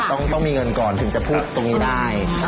ต้องมีเงินก่อนถึงจะพูดตรงนี้ได้